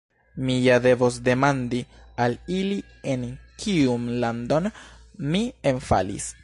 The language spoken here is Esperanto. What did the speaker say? Mi ja devos demandi al ili en kiun landon mi enfalis.